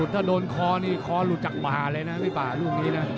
ที่คอหลุดจากป่าเลยนะไม่ป่าลูกนี้นะ